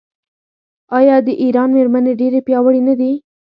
آیا د ایران میرمنې ډیرې پیاوړې نه دي؟